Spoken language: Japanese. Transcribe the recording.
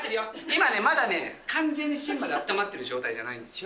今ね、まだ完全に芯まであったまってる状態じゃないんですよ。